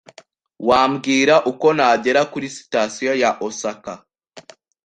Wambwira uko nagera kuri sitasiyo ya Osaka?